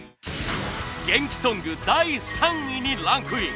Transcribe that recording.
元気ソング第３位にランクイン。